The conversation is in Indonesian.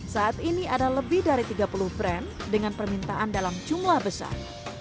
saat ini ada lebih dari tiga puluh brand dengan permintaan dalam jumlah besar